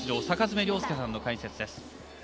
坂爪亮介さんの解説です。